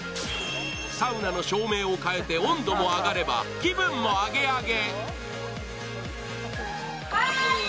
サウナの照明を変えて温度を上げれば気分もアゲアゲ。